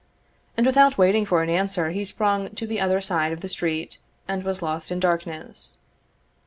And without waiting for an answer, he sprung to the other side of the street, and was lost in darkness.